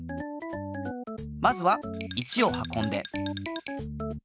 まずは１をはこんで。